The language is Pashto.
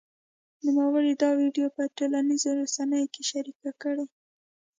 نوموړي دا ویډیو په ټولنیزو رسنیو کې شرېکه کړې